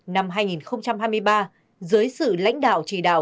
năm hai nghìn hai mươi ba dưới sự lãnh đạo chỉ đạo